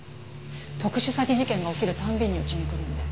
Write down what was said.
特殊詐欺事件が起きる度にうちに来るんで。